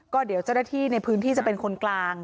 ก็เดี๋ยวเจ้าหน้าที่ในพื้นที่จะเป็นคนกลาง